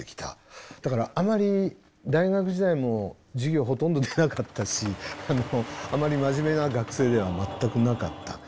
だからあまり大学時代も授業をほとんど出なかったしあまり真面目な学生では全くなかった。